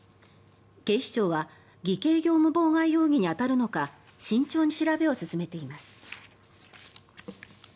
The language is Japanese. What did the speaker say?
警視庁は偽計業務妨害容疑に当たるのか慎重に調べを進めています。